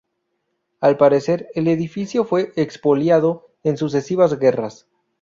Al parecer, el edificio fue expoliado en sucesivas guerras.